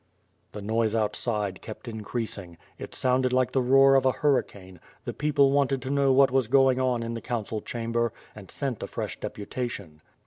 The noise outside kept increasing; it sounded like the roar of a hurricane; the people wanted to know what was going on in the council chamber, and sent a fresh deputa tion.